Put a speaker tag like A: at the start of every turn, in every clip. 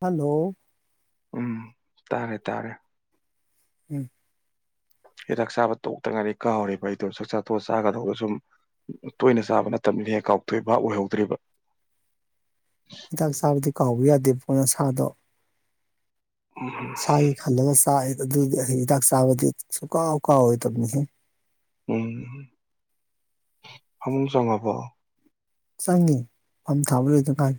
A: Hello
B: ꯎꯝ ꯇꯥꯔꯦ ꯇꯥꯔꯦ
A: ꯎꯝ
B: ꯍꯤꯗꯥꯛ ꯆꯥꯕ ꯇꯣꯛꯇ ꯉꯥꯏꯔꯤ ꯀꯥꯎꯔꯤꯕ ꯑꯩꯗꯣ ꯆꯛꯆꯥ ꯇꯣꯛꯑ ꯆꯥꯒꯗꯧꯕꯗ ꯁꯨꯝ ꯇꯣꯏꯅ ꯆꯥꯕ ꯅꯠꯇꯕꯅꯤ ꯍꯦꯛ ꯀꯥꯎꯇꯣꯛꯏꯕ ꯕꯥꯞ ꯑꯣꯏꯍꯧꯗ꯭ꯔꯤꯕ
A: ꯍꯤꯗꯥꯛ ꯆꯥꯕꯗꯤ ꯀꯥꯎꯕ ꯌꯥꯗꯦꯕꯣ ꯅꯁꯥꯗꯣ
B: ꯎꯝ
A: ꯁꯥꯒꯤ ꯈꯟꯂꯒ ꯆꯥꯏ ꯑꯗꯨꯗꯤ ꯍꯤꯗꯥꯛꯆꯕꯗꯤ ꯁꯨꯀꯥꯥꯎ ꯀꯥꯎꯔꯣꯏꯇꯕꯅꯤꯍꯦ
B: ꯎꯝ ꯐꯃꯨꯡ ꯆꯪꯉꯥꯕꯣ
A: ꯆꯪꯉꯤ ꯐꯝ ꯊꯥꯕ ꯂꯣꯢꯗꯥꯉꯥꯏ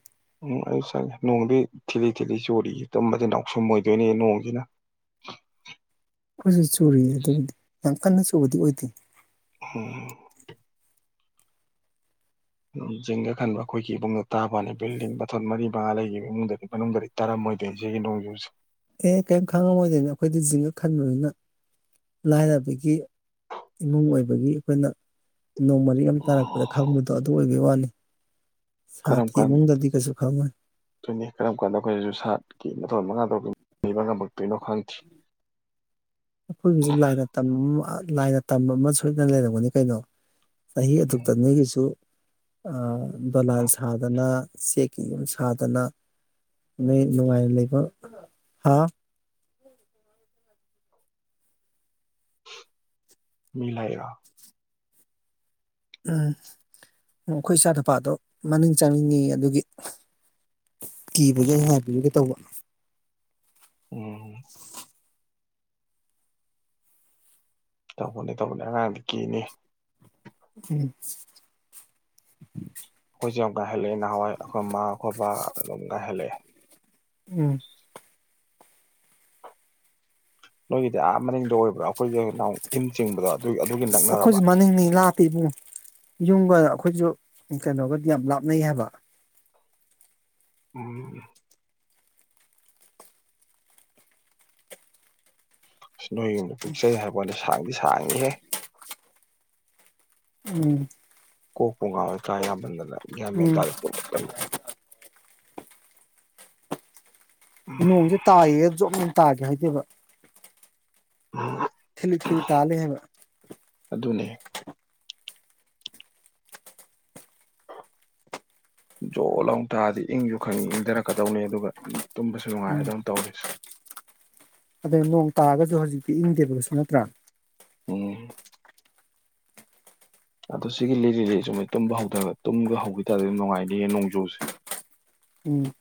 B: ꯎꯝ ꯑꯩ ꯆꯪꯉꯦ ꯅꯣꯡꯗꯤ ꯊꯤꯠꯂꯤ ꯊꯤꯠꯂꯤ ꯆꯨꯔꯤ ꯇꯨꯝꯕꯗꯤ ꯅꯥꯎꯁꯨꯝ ꯑꯣꯏꯗꯣꯏꯅꯦ ꯅꯣꯡꯁꯤꯅ
A: ꯑꯩꯈꯣꯏꯁꯨ ꯆꯨꯔꯤ ꯑꯗꯨꯕꯨꯗꯤ ꯀꯟꯅ ꯆꯨꯕꯗꯤ ꯑꯣꯏꯗꯦ
B: ꯎꯝ ꯖꯤꯡꯒ ꯈꯟꯕ ꯑꯩꯈꯣꯏꯒꯤ ꯏꯃꯨꯡꯗ ꯇꯥꯕꯅꯤ ꯕꯤꯜꯗꯤꯡ ꯃꯊꯣꯟ ꯃꯔꯤ ꯃꯉꯥ ꯂꯩꯈꯤꯕ ꯏꯃꯨꯡꯗꯗꯤ ꯃꯅꯨꯡꯗꯗꯤ ꯇꯥꯔꯝꯃꯣꯏꯗꯣꯏꯅꯤ ꯁꯤꯒꯤ ꯅꯣꯡꯖꯨꯁꯦ
A: ꯑꯦ ꯀꯔꯤꯝ ꯈꯪꯉꯝꯃꯣꯏꯗꯣꯏꯅꯤ ꯑꯩꯈꯣꯏꯗꯤ ꯖꯤꯡꯒ ꯈꯟꯕꯅꯤꯅ ꯂꯥꯏꯔꯕꯒꯤ ꯏꯃꯨꯡ ꯑꯣꯏꯕꯒꯤ ꯑꯩꯈꯣꯏꯅ ꯅꯣꯡꯃꯔꯤꯛ ꯑꯃ ꯇꯥꯔꯛꯄꯗ ꯈꯪꯕꯗꯣ ꯑꯗꯨ ꯑꯣꯏ ꯒꯤ ꯋꯥꯅꯤ
B: ꯀꯔꯝ
A: ꯁꯥꯇ꯭ꯔꯒꯤ
B: ꯀꯟ
A: ꯏꯃꯨꯡꯗꯗꯤ ꯀꯩꯁꯨ ꯈꯪꯉꯣꯏ
B: ꯗꯨꯅꯤ ꯀꯔꯝ ꯀꯥꯟꯗ ꯑꯩꯈꯣꯏꯁꯨ ꯁꯥꯠꯀꯤ ꯃꯊꯣꯜ ꯃꯉꯥ ꯇꯥꯔꯨꯛꯇ ꯂꯩꯕꯥ ꯉꯥꯃꯛ ꯇꯣꯏꯅꯣ ꯈꯪꯗꯦ
A: ꯑꯩꯈꯣꯏꯒꯤꯁꯨ ꯂꯥꯏꯅ ꯇꯝꯕ ꯃꯥ ꯂꯥꯏꯅ ꯇꯝꯕ ꯑꯃ ꯁꯣꯏꯗꯅ ꯂꯩꯔꯝꯒꯅꯤ ꯀꯩꯅꯣ ꯆꯍꯤ ꯑꯗꯨꯛꯇ ꯅꯣꯏꯒꯤꯁꯨ ꯑ ꯗꯣꯂꯥꯟ ꯁꯥꯗꯅ ꯆꯦꯛꯀꯤ ꯌꯨꯝ ꯁꯥꯗꯅ ꯅꯣꯏ ꯅꯨꯡꯉꯥꯏꯅ ꯂꯩꯕ ꯍꯥ
B: ꯃꯤꯂꯥꯛꯏꯔꯣ
A: ꯎꯝ ꯑꯩꯈꯣꯏ ꯏꯆꯥ ꯅꯨꯄꯥꯗꯣ ꯃꯅꯤꯡ ꯆꯪꯅꯤꯡꯉꯤ ꯑꯗꯨꯒꯤ ꯀꯤꯕꯒꯤ ꯉꯥꯏꯕꯤꯔꯨꯒꯦ ꯇꯧꯕ
B: ꯎꯝ ꯇꯧꯕꯅꯦ ꯇꯧꯕꯅꯦ ꯑꯉꯥꯡꯗꯤ ꯀꯤꯅꯤ
A: ꯎꯝ
B: ꯈꯣꯏꯖꯨ ꯉꯥꯏꯍꯜꯂꯛꯑꯦ ꯅꯍꯥꯟꯋꯥ ꯑꯩꯈꯣꯏ ꯃꯥ ꯑꯩꯈꯣꯏ ꯕꯥ ꯑꯗꯨꯝ ꯉꯥꯏꯍꯜꯂꯛꯑꯦ
A: ꯎꯝ
B: ꯅꯣꯏ ꯑ ꯃꯅꯤꯡꯗ ꯑꯣꯏꯕ꯭ꯔꯥ ꯑꯩꯈꯣꯏꯒꯤ ꯏꯟ ꯆꯤꯡꯕꯗꯣ ꯑꯗꯨ ꯑꯗꯨꯒ ꯅꯛꯅꯔꯕ
A: ꯏꯕꯨꯡ ꯌꯨꯝꯒ ꯑꯩꯈꯣꯏꯁꯨ ꯀꯩꯅꯣꯒꯗꯤ ꯌꯥꯝ ꯂꯥꯞꯅꯩ ꯍꯥꯏꯕ
B: ꯎꯝ ꯅꯣꯏ ꯌꯨꯝꯗ ꯄꯤꯛꯆꯩ ꯍꯥꯏꯕꯅꯦ ꯁꯥꯡꯗꯤ ꯁꯥꯡꯉꯤꯍꯦ
A: ꯎꯝ
B: ꯀꯣꯛꯄꯨ ꯉꯥꯎꯋꯦ ꯀꯥ ꯌꯥꯃꯟꯗꯅ ꯒ꯭ꯌꯥꯟ ꯃꯦꯟ
A: ꯎꯝ
B: ꯇꯥꯗꯦ
A: ꯅꯣꯡꯁꯦ ꯇꯥꯏꯌꯦ ꯇꯥꯒꯦ ꯍꯥꯏꯗꯦꯕ
B: [unintelligible]
A: ꯊꯤꯂꯤ ꯊꯤꯂꯤ ꯇꯥꯂ°ꯍꯩꯕ
B: ꯗꯨꯅꯦ ꯖꯣ ꯂꯥꯎ ꯇꯥꯥꯗꯤ ꯏꯪꯁꯨ ꯈꯪꯉꯤ ꯏꯪꯗꯔꯛꯀꯗꯧꯅꯦ ꯑꯗꯨꯒ ꯇꯨꯝꯕꯁꯨ ꯅꯨꯡꯉꯥꯏ
A: ꯎꯝ
B: ꯑꯗꯨꯝ ꯇꯧꯔꯤꯁꯦ
A: ꯑꯗꯩ ꯅꯣꯡ ꯇꯥꯔꯒꯁꯨ ꯍꯧꯖꯤꯛꯇꯤ ꯏꯪꯗꯦꯕ ꯀꯩꯁꯨ ꯅꯠꯇ꯭ꯔꯥ
B: ꯎꯝ ꯑꯗꯣ ꯁꯤꯒꯤ ꯂꯤꯔꯤꯂꯤꯔꯤ ꯁꯨꯝ ꯇꯨꯝꯕ ꯍꯧꯗ ꯇꯨꯝꯕꯒ ꯍꯧꯒꯤ ꯇꯥꯔꯗꯤ ꯅꯨꯡꯉꯥꯏꯅꯤꯌꯦ ꯅꯣꯡꯖꯨꯁꯦ
A: ꯎꯝ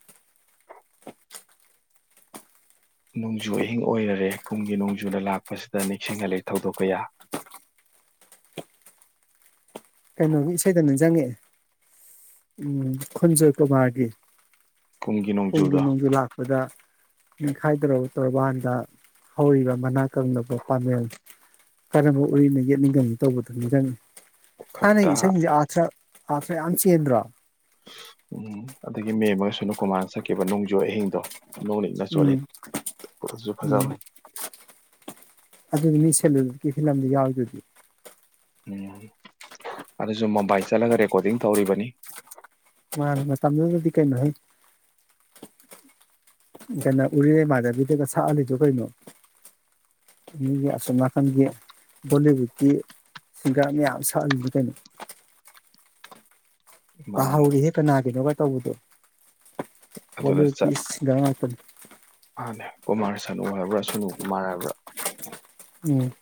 B: ꯅꯣꯡꯖꯨ ꯑꯍꯤꯡ ꯑꯣꯏꯔꯔꯦ ꯀꯨꯝꯒꯤ ꯅꯣꯡꯖꯨꯅ ꯂꯥꯛꯄꯁꯤꯗ ꯅꯤꯡꯁꯤꯡꯍꯜꯂꯤ ꯊꯧꯗꯣꯛ ꯀꯌꯥ꯫
A: ꯀꯩꯅꯣꯒꯤ ꯏꯁꯩꯗꯣ ꯅꯤꯖꯤꯡꯉꯛꯑꯦ ꯎꯝ ꯈꯨꯟꯖꯣꯏ ꯀꯨꯃꯥꯔꯒꯤ ꯀꯨꯝꯒꯤ ꯅꯣꯡꯒꯤꯨ ꯂꯥꯛꯄꯗ ꯅꯤꯡꯈꯥꯏꯗꯣꯔꯕ ꯇꯧꯔꯕꯟꯗ ꯍꯧꯔꯤꯕ ꯃꯅꯥ ꯀꯪꯅꯕ ꯄꯥꯃꯦꯟ ꯀꯔꯝꯕ ꯎꯔꯤꯅ ꯌꯦꯠꯅꯤꯡꯒꯅꯤ ꯇꯧꯕꯗꯨꯅꯤ ꯅꯤꯡꯖꯪꯉꯦ꯫ ꯊꯥꯏꯅ
B: ꯈꯛꯇ
A: ꯏꯁꯩ [unintelligible] ꯑꯔꯊ ꯑꯊ꯭ꯔ ꯌꯥꯝ ꯆ°ꯟꯗꯣꯔ
B: ꯎꯝ ꯑꯗꯨꯗꯒꯤ ꯃꯦꯝꯃ ꯁꯅꯨꯀꯨꯃꯅ ꯁꯛꯈꯤꯕ ꯅꯣꯡꯖꯨ ꯑꯍꯤꯡꯗꯣ꯫ ꯅꯣꯡꯂꯤꯛꯅ
A: ꯎꯝ
B: ꯆꯣꯠꯂꯤ ꯑꯗꯨꯁꯨ
A: ꯎꯝ
B: ꯐꯖꯕꯅꯤ
A: ꯑꯗꯨ ꯃꯤꯁꯂꯨꯟ ꯐꯤꯂꯝꯗ ꯌꯥꯎꯗꯨꯗꯤ
B: ꯎꯝ ꯑꯗꯨꯁꯨ ꯃꯣꯕꯥꯏ ꯆꯠꯂꯒ ꯔꯦꯀꯣꯔꯗꯤꯡ ꯇꯧꯔꯤꯕꯅꯤ꯫
A: ꯃꯥꯅ° ꯃꯇꯝꯗꯨꯗꯗꯤ ꯀꯩꯅꯣꯍꯦ ꯗꯅ ꯎꯔꯤꯔꯩꯃꯥꯙꯕꯤꯗꯒ ꯁꯛꯍꯜꯂꯤꯗꯨ ꯀꯩꯅꯣ ꯃꯤꯒꯤ ꯑꯁꯣꯝ ꯅꯥꯀꯟꯒꯤ ꯕꯣꯂꯤꯋꯨꯗꯀꯤ ꯁꯤꯡꯒꯥꯔ ꯃꯌꯥꯝ ꯁꯛꯍꯜꯂꯤꯅꯤ ꯀꯩꯅꯣ꯫
B: ꯃꯥꯅ
A: ꯄꯍꯧꯔ°ꯍ° ꯀꯥꯅꯒꯤꯅꯣ ꯇꯧꯕꯗꯣ
B: ꯑꯗꯨꯅ
A: ꯕꯣꯂꯤꯋꯨꯗꯀꯤ
B: ꯆꯠ
A: ꯁꯤꯡꯒꯥꯔ ꯉꯥꯛꯇꯅꯦ
B: ꯃꯥꯅꯦ ꯀꯨꯃꯥꯔ ꯁꯅꯨ ꯍꯥꯏꯕ꯭ꯔꯥ ꯁꯨꯅꯨ ꯀꯨꯃꯥꯔ ꯍꯥꯏꯕ꯭ꯔꯥ꯫
A: ꯎꯝ꯫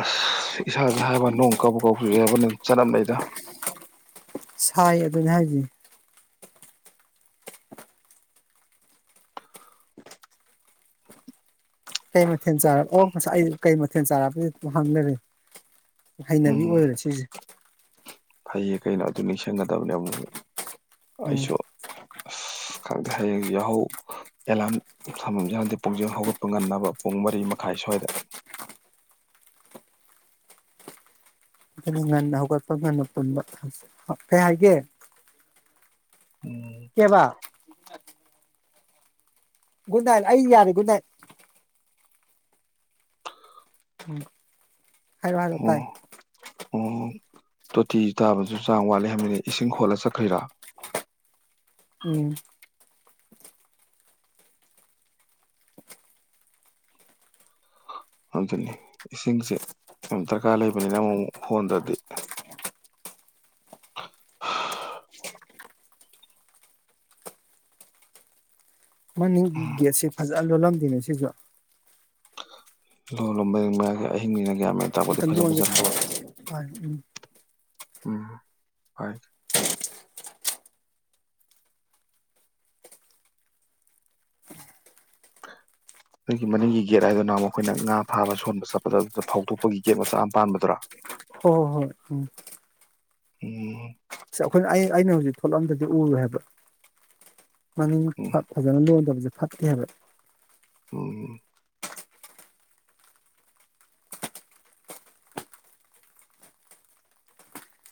B: ꯑꯁ ꯏꯁꯥꯁꯦ ꯍꯥꯏꯕ ꯅꯣꯡ ꯀꯕꯨꯛ ꯀꯕꯨꯛ ꯆꯨꯖꯩ ꯍꯥꯏꯕ ꯋꯅꯦ ꯆꯅꯞꯅꯩꯗ꯫
A: ꯁꯥꯏ ꯑꯗꯨꯅꯦ ꯍꯥꯏꯖꯦ꯫ ꯀꯩ ꯃꯊꯦꯜ ꯆꯥꯔ ꯑꯣ ꯉꯁꯥꯢ ꯀꯩ ꯃꯊꯦꯜ ꯆꯥꯔꯒꯦꯗ ꯍꯪꯂꯩꯔꯦ꯫ ꯍꯩꯅꯕꯤ
B: ꯎꯝ
A: ꯑꯣꯏꯔꯦ ꯁꯤꯁꯦ꯫
B: ꯐꯩꯌꯦ ꯀꯩꯅꯣ ꯑꯗꯨ ꯅꯤꯡꯁꯤꯡꯒꯗꯕꯅꯦ ꯑꯃꯨꯛꯃꯨꯛ꯫
A: ꯎꯝ
B: ꯑꯩꯁꯨ꯫ ꯑꯁ ꯈꯪꯗꯦ ꯍꯌꯦꯡꯁꯦ ꯌꯥꯍꯧ ꯑꯦꯂꯥꯔꯝ ꯊꯝꯃꯝꯁꯤꯔꯈꯪꯗꯦ ꯄꯨꯡꯁꯦ ꯍꯧꯒꯠꯄ ꯉꯟꯅꯕ ꯄꯨꯡ ꯃꯔꯤ ꯃꯈꯥꯏ ꯁ꯭ꯋꯥꯏꯗ꯫
A: ꯑꯗꯨ ꯉꯟꯅ ꯍꯧꯒꯠꯄ ꯉꯟꯅ ꯄꯨꯟꯕ ꯀꯩ ꯍꯥꯏꯒꯦ꯫ ꯀꯩꯕꯥ꯫ ꯨꯒꯨꯗ ꯅꯥꯏꯠ ꯑꯩ ꯌꯥꯔꯦ ꯒꯨꯗ ꯅꯥꯏꯠ꯫ ꯎꯝ ꯍꯥꯏꯔꯣ ꯍꯥꯢꯔꯣ
B: ꯑꯣ
A: ꯇꯥꯏ꯫
B: ꯑꯣ ꯇꯣꯇꯤ ꯇꯥꯕꯁꯨ ꯆꯥꯡ ꯋꯥꯠꯂꯤ ꯍꯥꯏꯕꯅꯤ ꯏꯁꯤꯡ ꯍꯣꯜꯂ ꯆꯠꯈ꯭ꯔꯤꯔꯥ꯫
A: ꯎꯝ꯫
B: ꯑꯗꯨꯅꯤ ꯏꯁꯤꯡꯁꯦ ꯌꯥꯝ ꯗꯔꯀꯥꯔ ꯂꯩꯕꯅꯤꯅ ꯑꯃꯨꯃꯨꯛ ꯍꯣꯟꯗꯗꯤ꯫
A: ꯃꯥꯅꯤ ꯕꯤꯑꯦꯁꯦ ꯐꯖ꯫ [unintelligible] ꯅꯪꯒꯤꯅꯦ ꯁꯤꯁꯨ꯫
B: ꯂꯨ ꯂꯣꯡꯕ ꯃꯌꯥꯒꯤ ꯑꯍꯤꯡꯅꯤꯅ ꯌꯥꯃꯦ
A: ꯀ ꯋꯥꯦ ꯎꯝ
B: ꯎꯝ ꯐꯣꯏ ꯑꯗꯨꯒꯤ ꯃꯅꯤꯡꯒꯤ ꯒꯦꯠ ꯍꯥꯏꯗꯨꯅ ꯃꯈꯣꯏꯅ ꯉꯥ ꯊꯥꯕ ꯁꯣꯟꯕ ꯆꯠꯄꯗ ꯑꯗꯨꯗ ꯐꯥꯎꯗꯣꯛꯄꯒꯤ ꯒꯦꯠ ꯃꯆꯥ ꯑꯃ ꯄꯥꯟꯕꯗꯨ꯭ꯔꯥ
A: ꯍꯣꯏ ꯍꯣꯏ ꯍꯣꯏ ꯎꯝ
B: ꯎꯝ
A: ꯑꯩꯈꯣꯏꯅ ꯑꯩ ꯑꯩꯅ ꯍꯧꯖꯤꯛ ꯊꯣꯛꯂꯛꯑꯗꯗꯤ ꯎꯔꯨ ꯍꯥꯏꯕ ꯃ
B: ꯎꯝ
A: ꯐꯖꯅ ꯂ ꯁ ꯐꯠꯀꯦ ꯍꯥꯏꯔ
B: ꯑꯣꯝ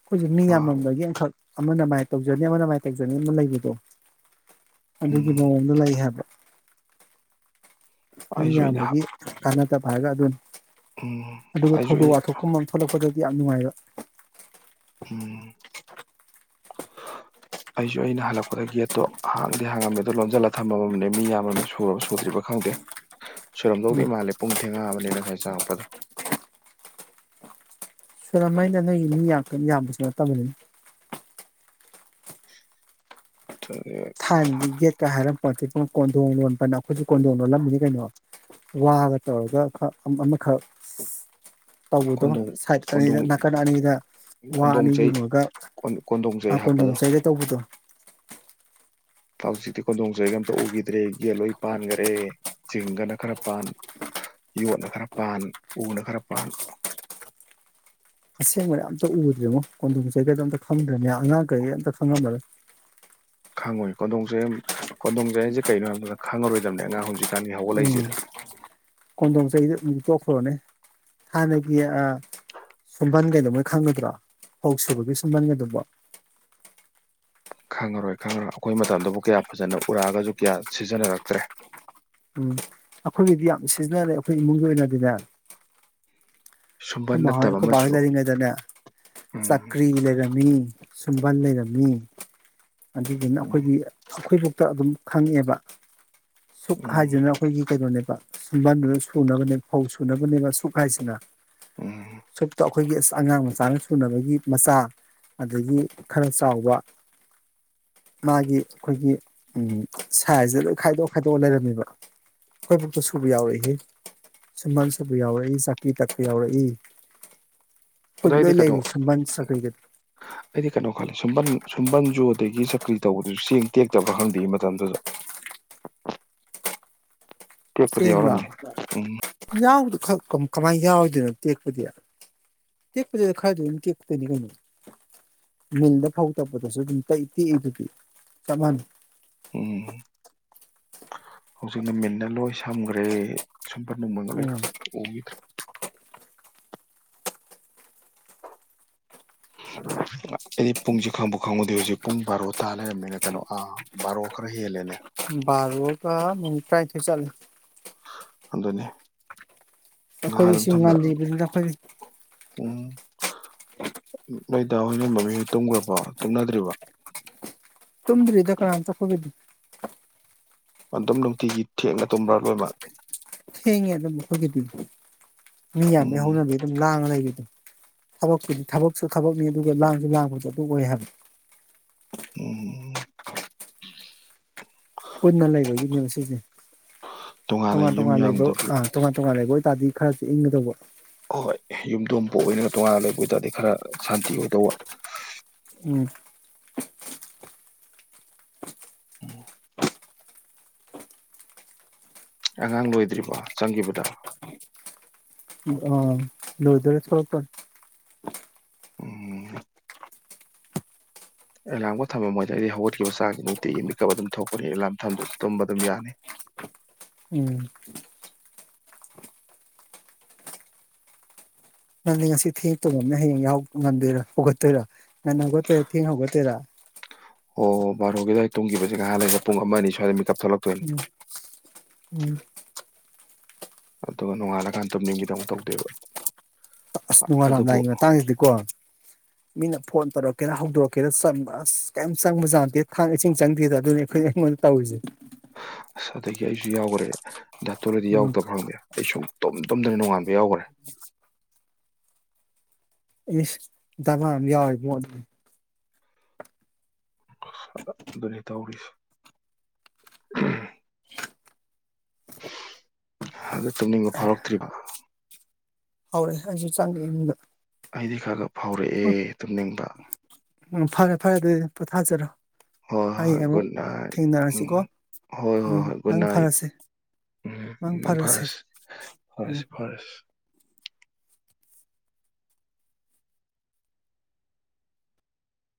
A: ꯍꯧꯈꯖꯤꯛ ꯃꯤ
B: ꯑꯥ
A: ꯌꯥꯝꯃꯒꯤ ꯑꯃꯈꯛ ꯑꯃꯅ ꯃꯥꯏꯅ ꯇꯧꯖꯅꯤ ꯑꯃꯅ ꯃꯥꯏꯅ ꯇꯧꯖꯅꯤ ꯑꯃ ꯂꯩꯕꯗꯣ ꯑꯗꯨꯒꯤ
B: ꯎꯝ
A: ꯃꯑꯣꯡꯗ ꯂꯩ ꯍꯥꯏꯕ ꯃꯤ
B: ꯑꯩꯁꯨ ꯑꯩꯅ
A: ꯌꯥꯕꯒꯤ ꯀꯥꯅꯥ ꯆ ꯄꯥꯏꯒ ꯑ ꯑꯗꯨꯅ
B: ꯎꯝ
A: ꯑꯗꯨꯒ
B: ꯑꯩꯁꯨ
A: ꯊꯧꯗꯣꯛ
B: ꯑꯩ
A: ꯋꯥꯊꯣꯛꯀꯨꯝ ꯊꯣꯛꯂꯛꯄꯗ ꯌꯥꯝ ꯅꯨꯡꯉꯥꯏꯕ
B: ꯎꯝ ꯑꯩꯁꯨ ꯑꯩꯅ ꯍꯜꯂꯛꯄꯗ ꯒꯦꯠꯇꯣ ꯍꯥꯡꯗꯦ ꯍꯥꯡꯉꯝꯃꯦꯗꯣ ꯂꯣꯟꯁꯤꯜꯂꯒ ꯊꯝꯕꯃꯝꯅꯦ ꯃꯤ ꯌꯥꯝꯃꯝꯅꯦ ꯁꯨꯔꯕ ꯁꯨꯗ꯭ꯔꯤꯕ ꯈꯪꯗꯦ ꯁꯣꯏꯨꯔꯝꯗꯧꯗꯦ
A: ꯎꯝ
B: ꯃꯥꯜꯂꯦ ꯄꯨꯡ ꯊꯦꯡꯉꯛꯑꯕꯅꯤꯅ ꯉꯁꯥꯏ ꯆꯪꯉꯛꯄꯗꯣ
A: ꯁꯅꯃꯩꯅ ꯅꯣꯏꯒꯤ ꯃꯤ ꯌꯥꯝꯕꯁꯨ ꯅꯠꯇꯕꯅꯤꯅ
B: ꯊ
A: ꯊꯥꯏꯅꯒꯤ ꯌꯦꯛꯀ ꯍꯥꯏꯔꯄ ꯀꯣꯟꯊꯣꯡ ꯂꯣꯟꯕꯅ ꯑꯩꯈꯣꯏꯁꯨ ꯀꯣꯟꯗꯣꯡ ꯂꯣꯜꯂꯝꯃꯤꯅꯤ ꯀꯩꯅꯣ ꯋꯥꯒ ꯇꯧꯔꯒ ꯑꯃꯈꯛ ꯇꯧꯕꯗꯣ
B: ꯀꯣꯟꯗꯣꯡ
A: ꯁꯥꯏꯠ ꯑꯅꯤꯗ
B: ꯀꯣꯟꯗꯣꯡ
A: ꯅꯥꯀꯟ ꯑꯅꯤꯗ ꯋꯥ
B: ꯀꯣꯟꯗꯣꯡ
A: ꯑꯅꯤ
B: ꯆꯩ
A: ꯌꯨꯝꯉꯒ
B: ꯀꯣꯟꯗꯣꯡ ꯆꯩ
A: ꯀꯣꯟꯗꯣꯝ
B: ꯍꯥꯞꯄꯗꯣ
A: ꯆꯩꯗ ꯇꯧꯕꯗꯣ
B: ꯍꯧꯖꯤꯛꯇꯤ ꯀꯣꯟꯗꯣꯡꯁ ꯑꯩꯒ ꯑꯝꯇ ꯎꯈꯤꯗ꯭ꯔꯦ ꯌꯦꯟꯂꯣꯏ ꯄꯥꯟꯈꯔꯦ ꯆꯤꯡꯒꯅ ꯈꯔ ꯄꯥꯟ ꯌꯣꯠꯅ ꯈꯔ ꯄꯥꯟ ꯎꯅ ꯈꯔ ꯄꯥꯟ
A: ꯑꯁꯦꯡꯕꯅ ꯑꯝꯇ ꯎꯗꯦꯃꯣ ꯀꯣꯟꯗꯣꯡ ꯆꯩꯩꯒꯗꯣꯝ ꯈꯪꯗ ꯥꯡꯉꯥꯡ ꯀꯩ ꯑꯟ ꯁꯉꯅ ꯃꯦ
B: ꯈꯪꯉꯣꯏ ꯀꯗꯣꯡꯁꯦ ꯀꯗꯣꯡꯁꯦ ꯑꯩꯁꯦ ꯀꯩꯅꯣ ꯍꯥꯏꯕ ꯃꯇꯝꯗ ꯈꯪꯉꯔꯣꯏꯗꯕꯅꯦ ꯑꯉꯥꯡ ꯍꯧꯖꯤꯛꯀꯥꯟꯒꯤ ꯍꯧꯒ
A: ꯎꯝ
B: ꯂꯩꯁꯤꯔ
A: ꯀꯣꯟꯗꯣꯡ ꯆꯍꯤꯗ ꯑꯗꯨ ꯇꯣꯛꯈ꯭ꯔꯣꯅꯦ ꯍꯥꯟꯅꯒꯤ ꯁꯨꯝꯕꯟꯒꯩꯗ ꯃꯣꯏ ꯈꯪꯒꯗ꯭ꯔꯣ ꯐꯧ ꯁꯨꯕꯒꯤ ꯁꯨꯝꯕꯟꯒꯩꯗꯕ
B: ꯈꯪꯉꯔꯣꯏ ꯈꯪꯉꯔꯣꯏ ꯑꯩꯈꯣꯏ ꯃꯇꯝꯗꯨꯕꯨ ꯀꯌꯥ ꯐꯖꯅ ꯎꯔꯛꯑꯒꯁꯨ ꯀꯌꯥ ꯁꯤꯖꯤꯟꯅꯔꯛꯇ꯭ꯔꯦ
A: ꯎꯝ ꯑꯩꯈꯣꯏꯒꯤꯗꯤ ꯌꯥꯝ ꯁꯤꯖꯤꯟꯅꯔꯦ ꯑꯩꯈꯣꯏ ꯏꯃꯨꯡꯒꯤ ꯑꯣꯏꯅꯗꯤꯅꯦ
B: ꯁꯨꯝꯕꯟ
A: ꯑꯩꯈꯣꯏ
B: ꯅꯠꯇꯕ
A: ꯑꯩꯈꯣꯏ ꯕꯥꯩ
B: ꯑꯃꯁꯨ
A: ꯂꯩꯔꯤꯉꯩꯗꯅꯦ
B: ꯎꯝ
A: ꯆꯀ꯭ꯔꯤ ꯂꯩꯔꯝꯃꯤ ꯁꯨꯝꯕꯥꯜ ꯂꯩꯔꯝꯃꯤ ꯑꯗꯨꯗꯨꯅ
B: ꯎꯝ
A: ꯑꯩꯈꯣꯏꯒꯤ ꯑꯩꯈꯣꯏꯕꯨ ꯇ ꯑꯗꯨꯝ ꯈꯪꯉꯦꯕ ꯁꯨꯛ
B: ꯎꯝ
A: ꯍꯥꯏꯁꯤꯅ ꯑꯩꯈꯣꯏꯒꯤ ꯀꯩꯅꯣꯅꯦ ꯁꯨꯝꯕꯥꯟꯗꯨꯗ ꯁꯨꯅꯕꯅꯦ ꯐꯧ ꯁꯨꯅꯕꯅꯦꯕ ꯑ ꯁꯨꯛ ꯍꯥꯏꯁꯤꯅ
B: ꯎꯝ
A: ꯁꯨꯞꯇ ꯑꯩꯈꯣꯏꯒꯤ ꯑ ꯑꯉꯥꯡ ꯃꯆꯥꯅ ꯁꯨꯅꯕꯒꯤ ꯃꯆꯥ ꯑꯗꯒꯤ ꯈꯔ ꯆꯥꯎꯕ ꯃꯥꯒꯤ ꯑꯩꯈꯣꯏꯒꯤ ꯁꯥꯏꯖꯇ ꯂꯣꯏ ꯈꯥꯏꯗꯣꯛꯑ ꯈꯥꯏꯗꯣꯛꯑ ꯂꯩꯔꯝꯃꯦꯕ ꯑꯩꯈꯣꯏꯐꯥꯎꯇ ꯁꯨꯕ ꯌꯥꯎꯔꯛꯏ ꯁꯨꯝꯕꯟ ꯁꯨꯕ ꯌꯥꯎꯔꯛꯏ ꯆꯥꯛꯄꯤ ꯇꯛ ꯌꯥꯎꯔꯛꯏ
B: ꯑꯗꯣ
A: ꯀꯨꯠ ꯂ
B: ꯑꯩꯗꯤ ꯀꯩꯅꯣ
A: ꯂꯅꯤꯁꯤ ꯃꯅꯤ ꯁꯀꯒ
B: ꯈꯂꯦ ꯁꯨꯝꯕꯟ ꯁꯨꯝꯕꯟꯁꯨ ꯑꯗꯒꯤ ꯆꯀ꯭ꯔꯤ ꯇꯧꯕꯗꯨꯁꯨ ꯆꯦꯡ ꯇꯦꯛꯇꯕ꯭ꯔꯥ ꯈꯪꯗꯦ ꯃꯇꯝꯗꯨꯗ ꯀꯦꯄꯗꯤ
A: ꯆꯦꯡꯂꯣ
B: ꯑꯣꯏꯎꯔꯝꯅꯦ ꯎꯝ
A: ꯌꯥꯎꯗ ꯀꯃꯥꯏꯅ ꯌꯥꯎꯔꯤꯗꯣꯏꯅꯣ ꯇꯦꯛꯄꯗꯤ ꯇꯦꯛꯄꯗꯨꯗ ꯈꯔꯗꯤ ꯑꯗꯨꯝ ꯇꯦꯛꯇꯣꯏꯅꯤ ꯀꯩꯅꯣ ꯃꯤꯜꯗ ꯐꯧ ꯇꯛꯄꯗꯁꯨ ꯑꯗꯨꯝ ꯇꯏ ꯇꯦꯛꯏꯗꯨꯗꯤ ꯆꯞ ꯃꯥꯟꯅꯩ
B: ꯍꯧꯖꯤꯛ ꯅ ꯃꯤꯟꯅ ꯂꯣꯏ ꯁꯝꯈ꯭ꯔꯦ ꯁꯝꯄꯔ ꯅꯨ ꯃꯉꯂꯣꯏ
A: ꯎꯝ
B: ꯑꯣꯕꯤ ꯊ꯭ꯔ ꯑꯩꯗꯤ ꯄꯨꯡꯁꯦ ꯈꯪꯕꯨ ꯈꯪꯉꯨꯗꯦ ꯍꯧꯖꯤꯛ ꯄꯨꯡ ꯕꯥꯔꯣ ꯇꯥ ꯂꯩꯔꯝꯅꯤꯅ ꯀꯩꯅꯣ ꯑꯥ ꯕꯥꯔꯣ ꯈꯔ ꯍꯦꯜꯂꯦꯅꯦ
A: ꯔꯣꯒ ꯃꯤ ꯄ꯭ꯔꯥꯏ ꯊ ꯆꯂ
B: ꯑꯗꯨꯅꯤ ꯉꯍꯥ ꯑꯗꯨꯝ
A: ꯑꯩꯈꯣꯏꯗꯤꯁꯤ
B: ꯊꯝꯅ
A: ꯉꯜꯂꯤꯕꯅꯤꯅ ꯑꯩꯈꯣꯏ
B: ꯎꯝ ꯅꯣꯏꯗ ꯍꯣꯏꯅ ꯃꯃꯤꯍꯣꯏ ꯇꯨꯝꯈ꯭ꯔꯕꯣ ꯇꯨꯝꯅꯗ꯭ꯔꯤꯕ
A: ꯇꯨꯝꯗ꯭ꯔꯤ ꯗ ꯀꯅꯥ ꯑ ꯇꯣꯗꯔꯤ
B: ꯃꯗꯨꯝ ꯅꯨꯡꯇꯤꯒꯤ ꯊꯦꯡꯅ ꯇꯨꯝꯕ꯭ꯔꯥ ꯂꯣꯏꯅꯃꯛ
A: ꯊꯦꯡꯉꯦ ꯑꯗꯨꯝ ꯑꯩꯈꯣꯏꯒꯤꯗꯤ ꯃꯤ ꯌꯥꯝꯕꯩ
B: ꯎꯝ
A: ꯍꯧꯅꯕꯤ ꯑꯗꯨꯝ ꯂꯥꯡꯉ ꯂꯩꯔꯤ ꯑꯗꯨꯝ ꯊꯕꯛꯨꯗꯤ ꯊꯕꯛꯁꯨ ꯊꯕꯛꯅꯤ ꯑꯗꯨꯒ ꯂꯥꯡꯁꯨ ꯂꯥꯡꯕꯁꯨ ꯑꯗꯨꯝ ꯑꯣꯏ ꯍꯥꯏꯕꯅꯤ
B: ꯎꯝ
A: ꯎ
B: ꯇꯣꯉꯥꯟꯅ
A: ꯇꯨꯡꯉꯥꯟ
B: ꯌꯨꯝ
A: ꯇꯣꯉꯥ ꯂꯩꯕꯣ
B: ꯌꯥꯝꯗꯕꯤ
A: ꯑ ꯇꯨꯡꯉ ꯇꯣꯉꯥ ꯂꯩꯕ ꯆꯥꯗꯤ ꯈꯔꯁꯨ ꯏꯪꯒꯗꯧꯕ
B: ꯍꯣꯏ ꯌꯨꯝꯊꯣꯡ ꯄꯣꯛ ꯑꯣꯏꯅꯅꯤ ꯇꯣꯉꯥꯟꯅ ꯂꯩꯕ ꯑꯣꯏ ꯇꯔꯗꯤ ꯈꯔ ꯁꯥꯟꯇꯤ ꯑꯣꯏꯗꯧꯕ
A: ꯎ
B: ꯍꯜꯂꯣ ꯑꯉꯥꯡ ꯂꯣꯏꯗ꯭ꯔꯤꯕ ꯆꯪꯈꯤꯕꯗ
A: ꯑ ꯂꯣꯏꯗꯔ ꯁꯄ
B: ꯎꯝ ꯑꯦꯂꯥꯔꯝꯕꯨ ꯊꯝꯃꯝꯃꯣꯏꯗ ꯑꯩꯗꯤ ꯍꯧꯒꯠꯈꯤꯕ ꯆꯥꯒꯤ ꯅꯨꯡꯇꯤꯒꯤ ꯃꯤꯀꯞ ꯑꯗꯨꯝ ꯊꯣꯛꯄꯅꯤ ꯑꯦꯂꯥꯔꯝ ꯊꯝꯗꯨꯁꯨ ꯇꯨꯝꯕ ꯑꯗꯨꯝ ꯌꯥꯅꯤ
A: ꯎꯝ ꯅꯪꯗꯤ ꯉꯁꯤ ꯊꯦꯡꯛꯇꯧꯕ ꯑꯃꯅ ꯍꯌꯦꯡ ꯉꯟꯗꯣꯏꯔꯥ ꯍꯧꯒꯠꯇꯣꯏꯔ ꯉꯟꯅ ꯍꯧꯒꯠꯇꯣꯏꯔꯥ ꯊꯦꯡ ꯍꯧꯒꯠꯇꯣꯏꯔꯥ
B: ꯑꯣ ꯕꯥꯔꯣꯒꯤ ꯑꯗꯨꯋꯥꯏ ꯇꯣꯡꯈꯤꯕꯁꯦ ꯅꯍꯥꯟ ꯂꯩꯒ ꯄꯨꯡ ꯑꯃꯅꯤ ꯁ꯭ꯋꯥꯏꯗ ꯊꯣꯛꯂꯛꯇꯣꯏꯅꯤ
A: ꯎꯝ ꯎꯝ
B: ꯑꯗꯨꯒ ꯅꯣꯡꯉꯥꯜꯂꯀꯥꯟꯗ ꯇꯨꯝꯅꯤꯡꯒꯤꯗ ꯑꯃꯨꯛ ꯇꯧꯗꯦꯕ
A: ꯑꯁ ꯅꯣꯡꯉꯥꯏꯜꯂꯥꯗꯥꯏꯒꯤ ꯃꯇꯥꯡꯁꯤꯗꯤꯀꯣ ꯃꯤꯅ ꯐꯣꯟ ꯇꯧꯔꯛꯀꯦꯔꯥ ꯍꯧꯗꯣꯔꯛꯀꯦꯔꯥ ꯆꯪꯕ ꯑꯁ ꯀꯩꯝ ꯆꯪꯕ ꯌꯥꯥꯟꯗꯦ ꯊꯥꯡ ꯏꯁꯤꯡ ꯆꯪꯗꯦꯗ ꯑꯗꯨꯅꯤ ꯑꯩꯈꯣꯏꯅ ꯑꯩꯉꯣꯟꯗ ꯇꯧꯔꯤꯁꯦ
B: ꯑꯁ ꯑꯗꯒꯤ ꯑꯩꯁꯨ ꯌꯥꯎꯈ꯭ꯔꯦ ꯙꯥꯛꯇꯣꯔꯗꯤ
A: ꯎꯝ
B: ꯌꯥꯎꯗꯕ ꯈꯪꯗꯦ ꯑꯩ ꯑ ꯁꯨꯝ ꯇꯣꯝ ꯇꯣꯝꯗꯅ ꯅꯣꯡꯉꯥꯟꯕ ꯌꯥꯎꯈ꯭ꯔꯦ
A: ꯏꯁ ꯕ ꯌꯥꯏ
B: ꯑꯗꯨꯅꯤ ꯇꯧꯔꯤꯁꯦ ꯑꯗꯨꯗ ꯇꯨꯝꯅꯤꯡ ꯐꯔꯛ ꯇ꯭ꯔꯤꯔꯤꯕ
A: ꯍꯧꯔꯦ ꯑꯩꯁꯨ ꯆꯪꯉꯦ ꯌꯨꯝꯗ
B: ꯍꯥꯏꯗꯤ ꯈꯔ ꯈ ꯐꯥꯎꯔꯛꯑꯦ ꯇꯨꯝꯅꯤꯡꯕ
A: ꯎꯝ ꯐꯔꯦ ꯐꯔꯦ ꯑꯗꯨꯗꯤ ꯄꯣꯊꯥꯖꯔꯣ
B: ꯍꯣꯏ ꯍꯣꯏ
A: ꯍꯌꯦꯡ
B: ꯍꯣꯏ
A: ꯑꯃꯨꯛ
B: ꯒꯨꯗ ꯅꯥꯏꯠ ꯎꯝ
A: ꯊꯦꯡꯅꯔꯁꯤꯀꯣ
B: ꯍꯣꯏ ꯍꯣꯏ
A: ꯎꯝ
B: ꯍꯣꯏ ꯒꯨꯗ
A: ꯃꯪ
B: ꯅꯥꯏꯠ
A: ꯐꯔꯁꯦ
B: ꯎꯝ ꯃꯡ ꯐꯔꯁꯦ ꯃꯪ
A: ꯎꯝ
B: ꯐꯔꯁꯦ